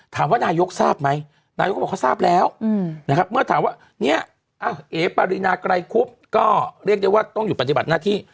นายกทราบไหมนายกก็บอกเขาทราบแล้วนะครับเมื่อถามว่าเนี่ยเอ๋ปารีนาไกรคุบก็เรียกได้ว่าต้องหยุดปฏิบัติหน้าที่